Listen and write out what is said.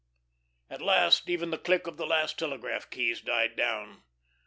At last even the click of the last of telegraph keys died down.